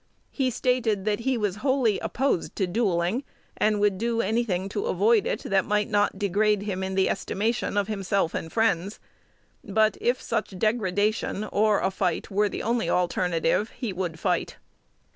He stated that he was wholly opposed to duelling, and would do any thing to avoid it that might not degrade him in the estimation of himself and friends; but, if such degradation or a fight were the only alternative, he would fight.